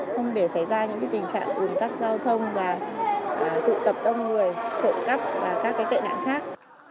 không để xảy ra những tình trạng ủn tắc giao thông và tụ tập đông người trộm cắp và các tệ nạn khác